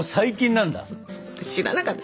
知らなかった。